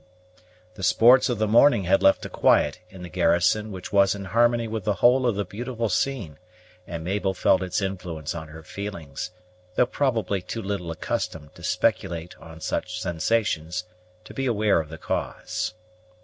The sports of the morning had left a quiet in the garrison which was in harmony with the whole of the beautiful scene, and Mabel felt its influence on her feelings, though probably too little accustomed to speculate on such sensations to be aware of the cause.